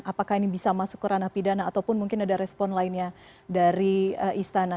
apakah ini bisa masuk ke ranah pidana ataupun mungkin ada respon lainnya dari istana